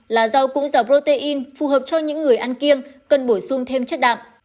là rau cũng và protein phù hợp cho những người ăn kiêng cần bổ sung thêm chất đạm